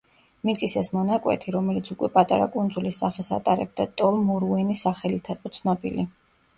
მიწის ეს მონაკვეთი, რომელიც უკვე პატარა კუნძულის სახეს ატარებდა, ტოლ მორუენის სახელით იყო ცნობილი.